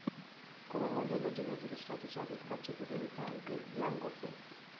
Come modello genetico è stato usato il cacciatore di taglie Jango Fett.